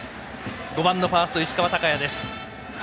５番のファースト、石川昂弥。